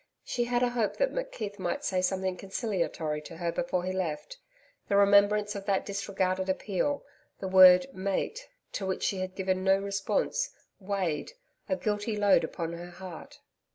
She had a hope that McKeith might say something conciliatory to her before he left. The remembrance of that disregarded appeal the word 'Mate' to which she had given no response, weighed, a guilty load, upon her heart.